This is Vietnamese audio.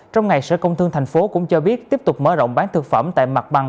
trong ngày sở công thương tp hcm cũng cho biết tiếp tục mở rộng bán thực phẩm tại mặt bằng